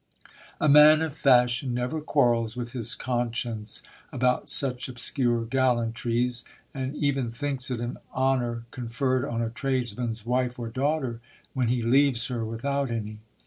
A man of fashion never quarrels with his conscience about such obscure gallantries, and even thinks it an honour con ferred on a tradesman's wife or daughter when he leaves her without any.